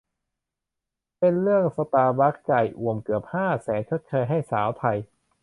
เป็นเรื่อง สตาร์บัคส์ จ่ายอ่วมเกือบ ห้า แสน ชดเชยให้สาวไทย